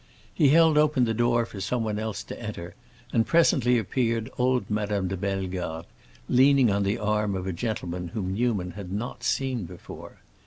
He held open the door for someone else to enter, and presently appeared old Madame de Bellegarde, leaning on the arm of a gentleman whom Newman had not seen before.